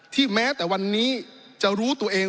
แม้แต่วันนี้จะรู้ตัวเอง